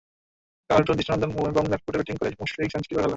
কাল আরেকটু দৃষ্টিনন্দন এবং মারকুটে ব্যাটিং করে মুশফিক সেঞ্চুরিই করে ফেললেন।